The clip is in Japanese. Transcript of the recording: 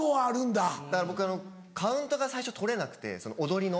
だから僕カウントが最初取れなくて踊りの。